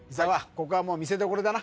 ここはもう見せどころだな